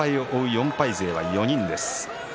４敗勢は４人です。